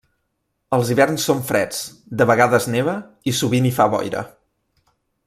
Els hiverns són freds, de vegades neva i sovint hi fa boira.